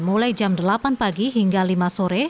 mulai jam delapan pagi hingga lima sore